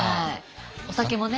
お酒もね。